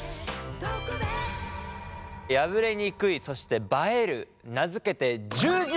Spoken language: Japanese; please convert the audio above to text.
破れにくいそして映える名付けて十字